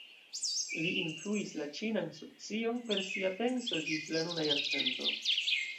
Li influis la ĉinan socion per sia penso ĝis la nuna jarcento.